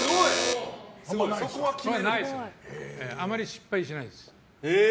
あまり失敗しないです。